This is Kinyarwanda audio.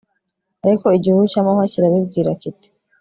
ariko igihuru cy'amahwa kirabibwira kiti